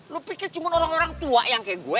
lo pikir cuma orang orang tua yang kayak gue